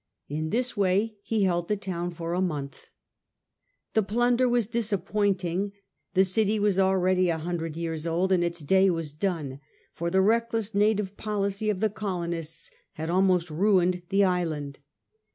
In this way he held the city for a month. The plunder was disappointing. The city was already a hundred years old, and its day was done; for the reckless native policy of the colonists had almost ruined the island.